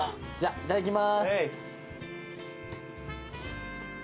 いただきます。